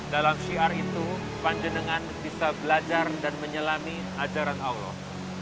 dalam syiar itu panjenengan bisa belajar dan menyelami ajaran allah